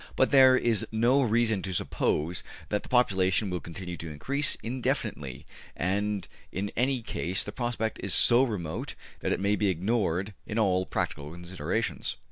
But there is no reason to suppose that the population will continue to increase indefinitely, and in any case the prospect is so remote that it may be ignored in all practical considerations.